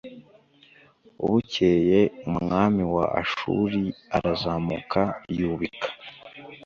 Bukeye umwami wa ashuri arazamuka yubika